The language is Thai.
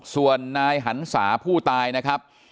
ส่วนนายหันศาผู้ตายนะครับ